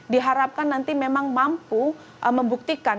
diharapkan nanti memang mampu membuktikan